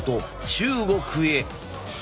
中国へ！